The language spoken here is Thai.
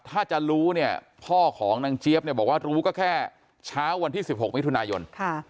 ถ้าจะรู้เนี่ยพ่อของนางเจี๊ยบเนี่ยบอกว่ารู้ก็แค่เช้าวันที่๑๖มิถุนายน